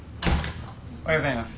・・おはようございます。